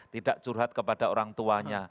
tidak curhat kepada orang tuanya